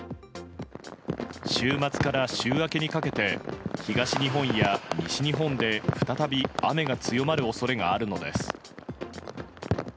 週末から週明けにかけて東日本や西日本で再び雨が強まる恐れがあるのです。